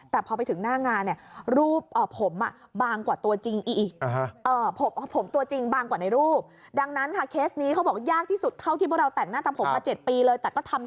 แล้วพอถึงหน้างานจริงอุ๊ยตอนแรกเจ้าสาวเขาส่งรูปมานะ